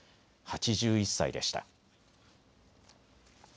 ８１歳でした。